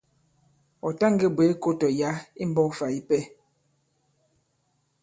Ɔ̀ ta ngē bwě kō tɔ̀ yǎ i mbɔ̄k fà ipɛ.